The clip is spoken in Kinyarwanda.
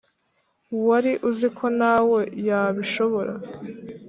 wari uziko nawe yabishora